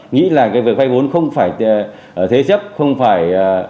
nghĩ là cái việc vay vốn không phải thế chấp không phải